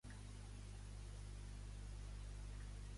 Susan Monclús Twomey és una jugadora de rugbi nascuda a Sitges.